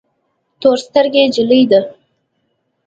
تور سترګي جلی ده